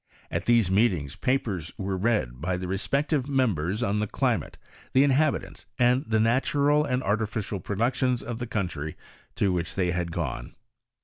At these meetings papers were read, by the respective members, on the climate, the inhabitants, and the natural and arti ficial productions of the country to which they had gone.